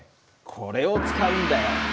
これを使うんだよ。